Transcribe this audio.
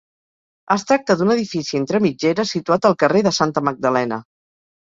Es tracta d'un edifici entre mitgeres situat al carrer de Santa Magdalena.